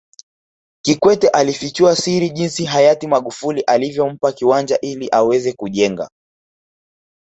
Kikwete alifichua siri jinsi Hayati Magufuli alivyompa kiwanja ili aweze kujenga